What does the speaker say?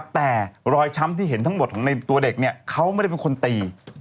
แต่รอยช้ำที่เห็นทั้งหมดของในตัวเด็กเนี่ยเขาไม่ได้เป็นคนตี